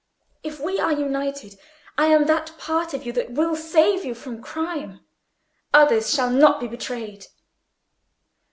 If we are united, I am that part of you that will save you from crime. Others shall not be betrayed."